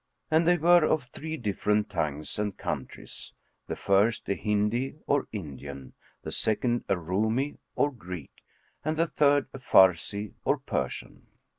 And they were of three different tongues and countries, the first a Hindi or Indian,[FN#3] the second a Roumi or Greek and the third a Farsi or Persian.